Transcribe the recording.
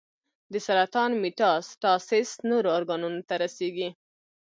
د سرطان میټاسټاسس نورو ارګانونو ته رسېږي.